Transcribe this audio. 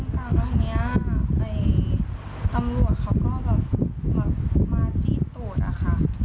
ด้านกลางตอนนี้ตำรวจเขาก็แบบมาจี้ตูดอะค่ะ